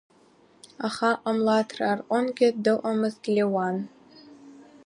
Аха Ҟамлаҭраа рҟынгьы дыҟамызт Леуан.